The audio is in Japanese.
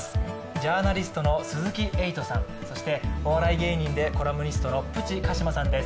ジャーナリストの鈴木エイトさん、そしてお笑い芸人でコラムニストのプチ鹿島さんです。